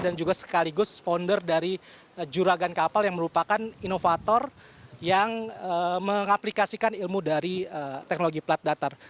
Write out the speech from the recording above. dan juga sekaligus founder dari juragan kapal yang merupakan inovator yang mengaplikasikan ilmu dari teknologi plat datar